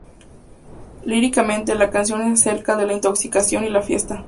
Líricamente, la canción es acerca de la intoxicación y la fiesta.